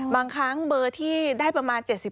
บางครั้งเบอร์ที่ได้ประมาณ๗๕